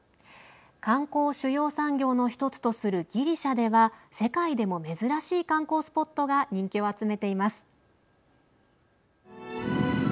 観光を主要産業の１つとするギリシャでは世界でも珍しい観光スポットが人気を集めています。